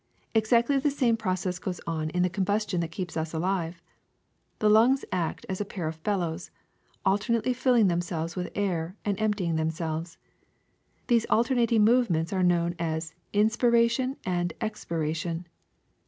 Exactly the same process goes on in the combustion that keeps us alive. The lungs act as a pair of bellows, alternately filling themselves with air and emptying themselves. These alternating movements are known as inspira tion and expiration.